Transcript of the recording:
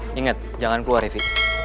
ya inget jangan keluar hei fi